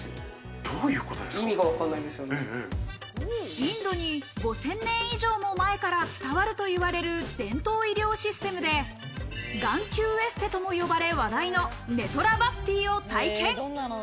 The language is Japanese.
インドに５０００年以上も前から伝わるといわれる伝統医療システムで、眼球エステとも呼ばれ話題のネトラバスティを体験。